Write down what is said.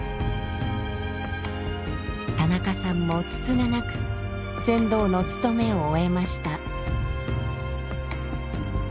田中さんもつつがなく船頭の務めを終えました。